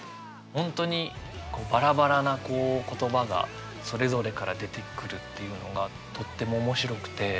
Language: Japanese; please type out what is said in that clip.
本当にバラバラな言葉がそれぞれから出てくるっていうのがとっても面白くて。